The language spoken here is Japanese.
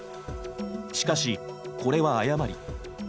しかしこれは誤り。